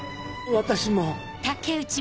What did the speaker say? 私も。